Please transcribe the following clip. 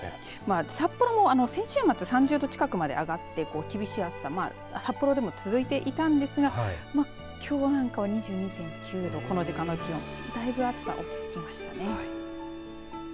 札幌も先週末３０度近くまで上がって厳しい暑さも札幌でも続いていたんですがきょうなんかは２２．９度この時間の気温だいぶ暑さ、落ち着きましたね。